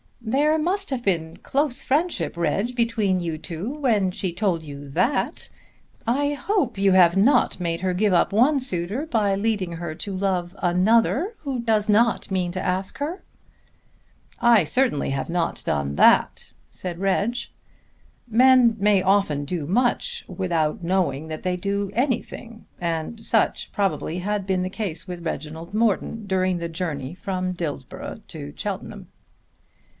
"There must have been close friendship, Reg, between you two when she told you that. I hope you have not made her give up one suitor by leading her to love another who does not mean to ask her." "I certainly have not done that," said Reg. Men may often do much without knowing that they do anything, and such probably had been the case with Reginald Morton during the journey from Dillsborough to Cheltenham.